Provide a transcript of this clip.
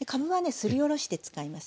すりおろして使います。